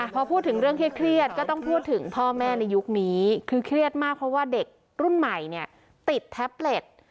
พอพูดถึงเรื่องเครียดก็ต้องพูดถึงพ่อแม่ในยุคนี้คือเครียดมากเพราะว่าเด็กรุ่นใหม่เนี่ยติดแท็บเล็ต